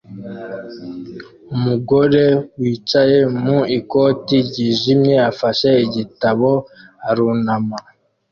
Umugore wicaye mu ikoti ryijimye afashe igitabo arunama